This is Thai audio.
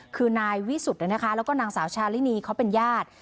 คือนายวิสุทธิ์แล้วก็นางสาวชาลินีเขาเป็นญาติ